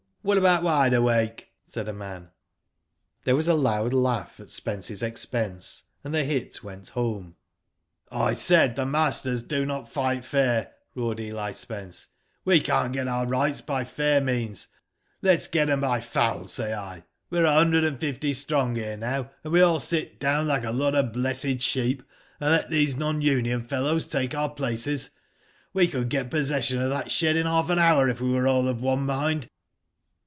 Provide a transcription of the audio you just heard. What about Wide Awake?" said a man. There was a loud laugh at Spen ce's expense and the hit went home. Digitized byGoogk IN THE SHED. 129 '* I said the masters do not fight fair !" roared Eli Spence. We can't get our rights by fair means, let's get 'em by foul, say I. We're a hundred and fifty strong here now, and we all sit down like a lot of blessed sheep, and let these non union fellows take our places. We could get possession of that shed in half an hour, if we were all of one mind."